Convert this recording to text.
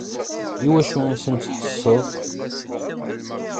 Iwacu i sent-tḥesseḍ?